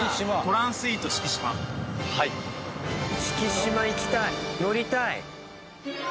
四季島行きたい乗りたい！